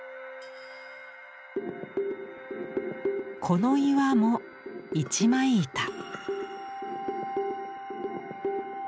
この岩も一枚板。